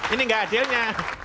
ini gak hasilnya